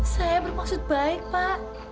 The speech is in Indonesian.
saya bermaksud baik pak